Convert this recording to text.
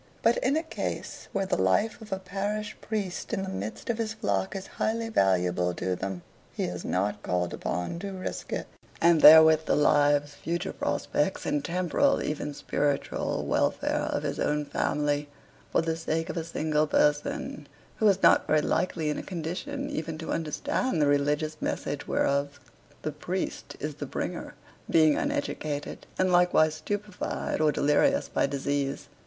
But in a case where the life of a parish priest in the midst of his flock is highly valuable to them, he is not called upon to risk it (and therewith the lives, future prospects, and temporal, even spiritual welfare of his own family) for the sake of a single person, who is not very likely in a condition even to understand the religious message whereof the priest is the bringer being uneducated, and likewise stupefied or delirious by disease.